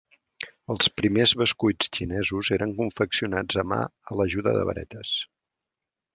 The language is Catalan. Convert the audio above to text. Els primers bescuits xinesos eren confeccionats a mà a l'ajuda de varetes.